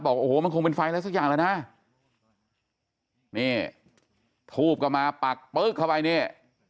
บอกโอ้โหมันคงเป็นไฟอะไรสักอย่างแล้วนะนี่ทูบก็มาปักปึ๊กเข้าไปนี่